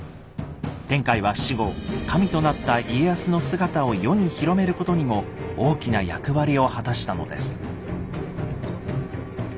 天海は死後神となった家康の姿を世に広めることにも大きな役割を果たしたのです。